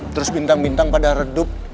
terus bintang bintang pada redup